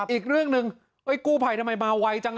อีกเรื่องหนึ่งกู้ภัยทำไมมาไวจัง